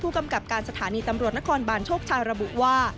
กำกับการสถานีตำรวจนครบานโชคชัยระบุว่า